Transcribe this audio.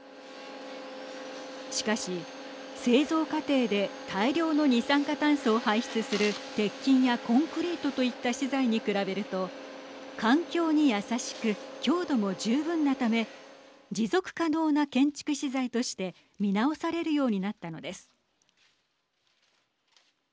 しかし、製造過程で大量の二酸化炭素を排出する鉄筋やコンクリートといった資材に比べると環境に優しく強度も十分なため持続可能な建築資材として見直されるようになったのです。